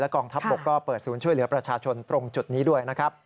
กองทัพบกก็เปิดศูนย์ช่วยเหลือประชาชนตรงจุดนี้ด้วยนะครับ